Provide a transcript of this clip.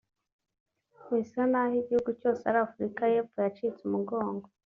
Bisa n’aho igihugu cyose cya Africa y’Epfo cyacitse umugongo